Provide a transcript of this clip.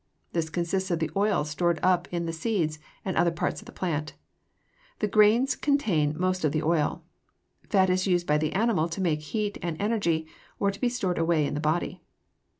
This consists of the oil stored up in the seeds and other parts of the plant. The grains contain most of the oil. Fat is used by the animal to make heat and energy or to be stored away in the body.